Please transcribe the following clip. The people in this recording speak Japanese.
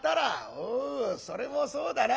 「おうそれもそうだな。